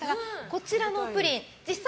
こちらのプリン実際